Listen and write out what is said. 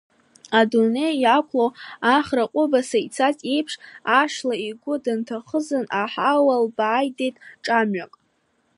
Адунеи иақәлоу ахра ҟәыбаса ицаз еиԥш, Ашла игәы дынҭаӷызын, аҳауа лбааидеит ҿамҩак.